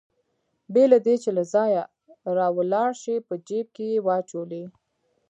بې له دې چې له ځایه راولاړ شي په جېب کې يې واچولې.